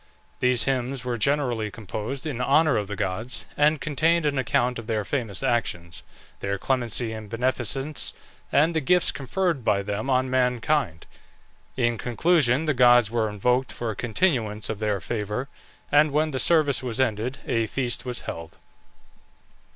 These hymns were generally composed in honour of the gods, and contained an account of their famous actions, their clemency and beneficence, and the gifts conferred by them on mankind. In conclusion, the gods were invoked for a continuance of their favour, and when the service was ended a feast was held.